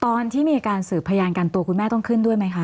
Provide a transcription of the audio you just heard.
ตอนที่มีการสืบพยานกันตัวคุณแม่ต้องขึ้นด้วยไหมคะ